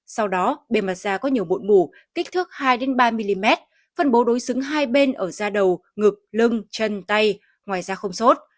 sau đó bề mặt da có nhiều bụi mủ kích thước hai ba mm phân bố đối xứng hai bên ở da đầu ngực lưng chân tay ngoài da không sốt